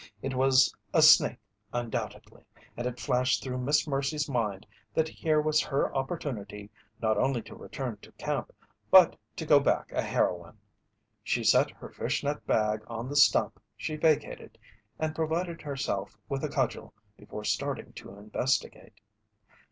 It was a snake, undoubtedly, and it flashed through Miss Mercy's mind that here was her opportunity not only to return to camp but to go back a heroine. She set her fishnet bag on the stump she vacated and provided herself with a cudgel before starting to investigate.